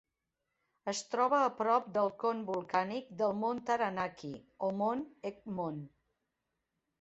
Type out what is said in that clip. Es troba a prop del con volcànic del Mont Taranaki o Mont Egmont.